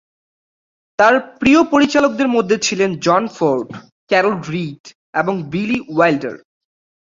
তাঁর প্রিয় পরিচালকদের মধ্যে ছিলেন জন ফোর্ড, ক্যারল রিড এবং বিলি ওয়াইল্ডার।